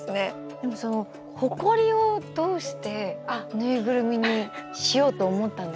でもほこりをどうしてぬいぐるみにしようと思ったんですか？